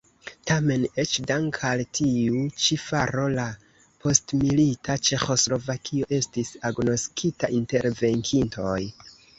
Tamen eĉ dank' al tiu ĉi faro la postmilita Ĉeĥoslovakio estis agnoskita inter venkintoj.